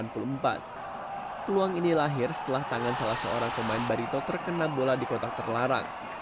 peluang ini lahir setelah tangan salah seorang pemain barito terkena bola di kotak terlarang